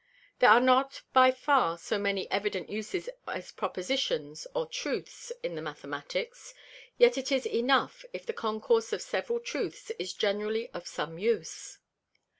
There are not by far so many evident Uses as Propositions or Truths in the Mathematicks: Yet it is enough if the Concourse of several Truths is generally of some use.